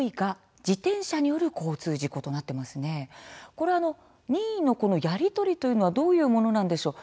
これは２位のやり取りというのはどういうものでしょうか。